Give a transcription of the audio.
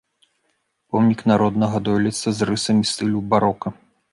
Помнік народнага дойлідства з рысамі стылю барока.